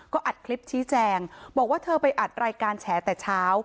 ก็อัดคลิปชี้แจงบอกว่าเธอไปอัดรายการแฉแต่เช้า